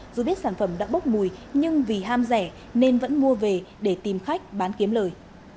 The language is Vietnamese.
dù biết sản phẩm đã bốc mùi nhưng vì ham rẻ nên vẫn mua về để tìm khách bán kiếm lời